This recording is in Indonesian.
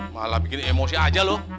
malah bikin emosi aja loh